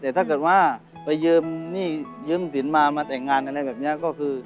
แต่ถ้าเกิดว่าไปยืมหนี้ยืมสินมามาแต่งงานอะไรแบบนี้ก็คือ